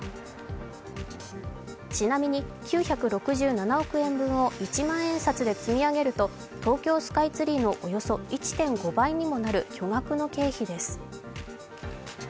ちなみに、９６７億円分を一万円札で積み上げると東京スカイツリーのおよそ１．５倍にもなる巨額の経費です。